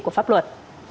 của pháp luật